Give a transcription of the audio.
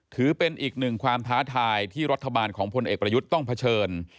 ถือเป็นอีกหนึ่งความท้าทายที่รัฐบาลของพลเอกประยุทธ์ต้องเผชิญ